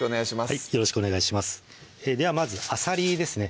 はいよろしくお願いしますではまずあさりですね